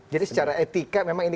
jadi secara etika memang ini